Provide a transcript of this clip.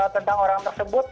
tentang orang tersebut